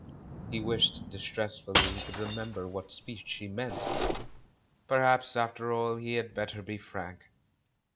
He wished distressfully he could remember what speech she meant. Perhaps, after all, he had better be frank!